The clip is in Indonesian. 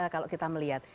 kalau kita melihat